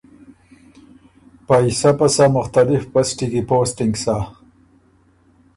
پئ سَۀ پسَۀ مختلف پسټی کی پوسټِنګ سَۀ۔